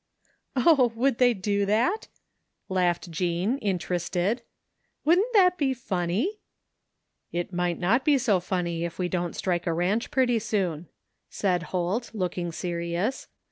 " Oh, would they do that? " laughed Jean, inter ested. " Wouldn't that be funny ?"" It might not be so funny if we don't strike a ranch pretty soon," said Holt, looking serious.